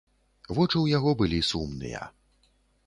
Вочы ў яго былі сумныя.